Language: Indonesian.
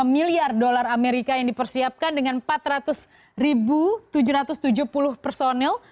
lima miliar dolar amerika yang dipersiapkan dengan empat ratus tujuh ratus tujuh puluh personil